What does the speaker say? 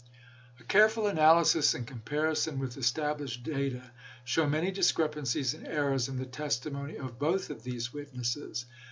x A careful analysis and comparison with estab lished data show many discrepancies and errors in the testimony of both of these witnesses.